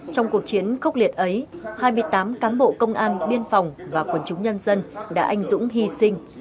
trong cuộc chiến khốc liệt ấy hai mươi tám cán bộ công an biên phòng và quần chúng nhân dân đã anh dũng hy sinh